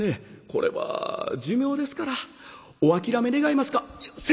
これは寿命ですからお諦め願えますか」。